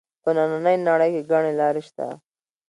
په نننۍ نړۍ کې ګڼې لارې شته